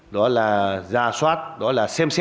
đó là ra soát đó là xem xét